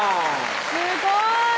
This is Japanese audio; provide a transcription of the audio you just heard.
すごい！